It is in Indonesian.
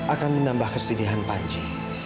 akan menambah kesedihan panji